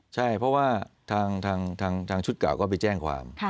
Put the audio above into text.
ใช่เพราะว่าทางชุดเก่าก็ไปแจ้งความ